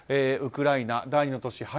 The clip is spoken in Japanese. ウクライナ第２の都市